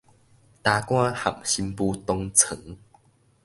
大官和新婦同床